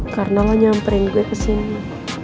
karena lo nyamperin gue kesini